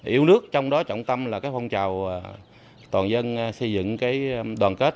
yếu nước trong đó trọng tâm là cái phong trào toàn dân xây dựng cái đoàn kết